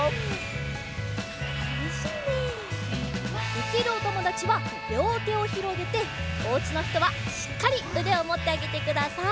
できるおともだちはりょうてをひろげておうちのひとはしっかりうでをもってあげてください。